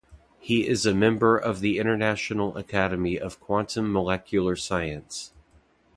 He is a member of the International Academy of Quantum Molecular Science.